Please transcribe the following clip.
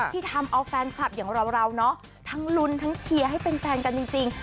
ที่ทำเอาแฟนคลับอย่างเราเนาะทั้งลุ้นทั้งเชียร์ให้เป็นแฟนกันจริง